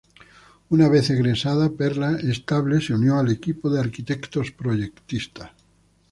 Una vez egresada Perla Estable se unió al equipo de arquitectos proyectistas.